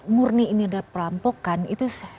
murni ini adalah perampokan itu